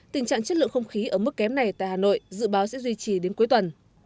tình trạng chất lượng không khí ở mức kém này tại hà nội dự báo sẽ duy trì đến cuối tuần